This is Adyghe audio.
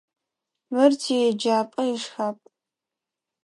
Мыр тиеджапӏэ ишхапӏ.